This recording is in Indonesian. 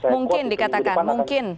mungkin dikatakan mungkin